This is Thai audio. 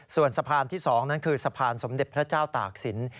ส่วนสะพานที่๒นั้นคือสะพานสมเด็จพระเจ้าตากศิลป